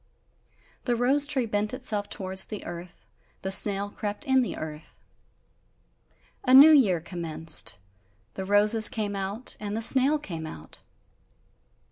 The rose tree bent itself towards the earth, the snail crept in the earth. A new year commenced; the roses came out, and the snail came out.